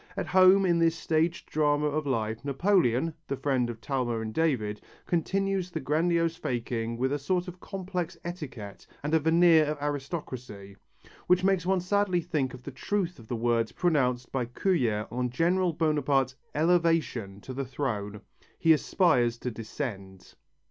At home in this staged drama of life, Napoleon, the friend of Talma and David, continues the grandiose faking with a sort of complex etiquette and a veneer of aristocracy, which makes one sadly think of the truth of the words pronounced by Courier on General Bonaparte's elevation to the throne: He aspires to descend.